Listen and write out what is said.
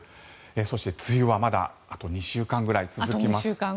そして、梅雨はまだあと２週間ぐらい続きます。